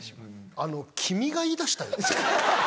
あの君が言いだしたよ。